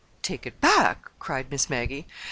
"Take it back!" cried Miss Maggie.